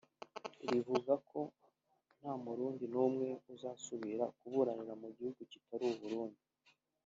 rivuga ko nta murundi n’umwe azasubira kuburanira mu gihugu kitari Uburundi